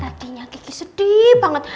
tatinya kiki sedih banget